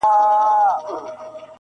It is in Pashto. نړیوال راپورونه پرې زياتيږي..